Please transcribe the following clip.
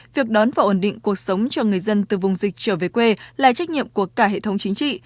việc đón và ổn định cuộc sống cho người dân từ vùng dịch trở về quê là trách nhiệm của cả hệ thống chính trị